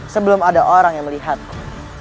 sebelum ada orang yang melihatku